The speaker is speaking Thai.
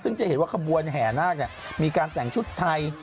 ซึ่งจะเห็นว่าขบวนแห่นาคมีการแต่งชุดไทย